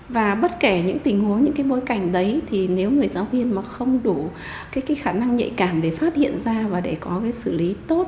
và bất kể những tình huống những bối cảnh đấy thì nếu người giáo viên mà không đủ cái khả năng nhạy cảm để phát hiện ra và để có cái xử lý tốt